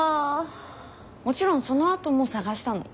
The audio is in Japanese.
もちろんそのあとも探したの。